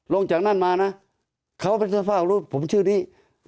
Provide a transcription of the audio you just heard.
ลงจากนั้นมานะเขาเป็นทอดภาพผมรู้ผมชื่อนี้